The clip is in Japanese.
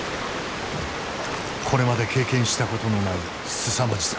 これまで経験したことのないすさまじさ。